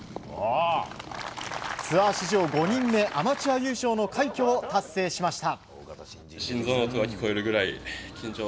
ツアー史上５人目アマチュア優勝の快挙を達成しました。